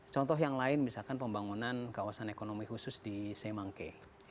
contoh yang lain misalkan pembangunan kawasan ekonomi khusus di semangke